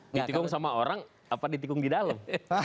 ditikung sama orang apa ditikung di dalam